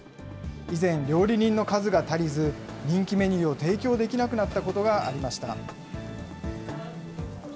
以前、料理人の数が足りず、人気メニューを提供できなくなったことがありました。